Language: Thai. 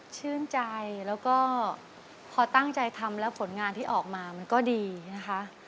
ชื่นใจแล้วก็พอตั้งใจทำแล้วผลงานที่ออกมามันก็ดีนะคะ